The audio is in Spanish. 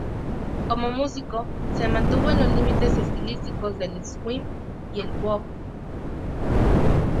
Como músico, se mantuvo en los límites estilísticos del swing y el bop.